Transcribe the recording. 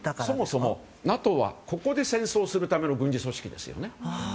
そもそもＮＡＴＯはここで戦争をするための軍事組織ですよね。